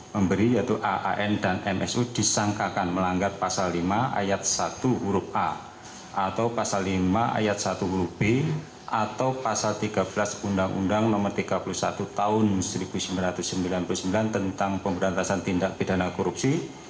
pemberi yaitu aan dan msu disangkakan melanggar pasal lima ayat satu huruf a atau pasal lima ayat satu huruf b atau pasal tiga belas undang undang no tiga puluh satu tahun seribu sembilan ratus sembilan puluh sembilan tentang pemberantasan tindak pidana korupsi